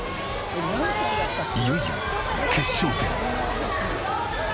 いよいよ決勝戦。